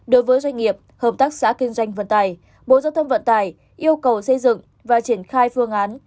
đối với doanh nghiệp hợp tác xã kinh doanh vận tài bộ giao thông vận tải yêu cầu xây dựng và triển khai phương án